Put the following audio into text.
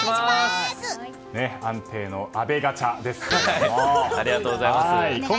安定の阿部・ガチャですね。